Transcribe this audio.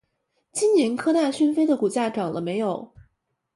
今年科大讯飞的股价涨了没有？